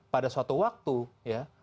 pada suatu waktu ya